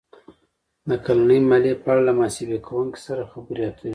-د کلنۍ مالیې په اړه له محاسبه کوونکي سره خبرې اتر ې